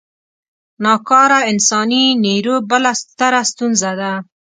نا کاره انساني نیرو بله ستره ستونزه ده.